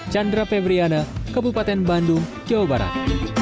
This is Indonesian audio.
chandra pevriana kebupatan bandung jawa barat